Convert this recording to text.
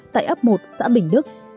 tại ấp một xã bình đức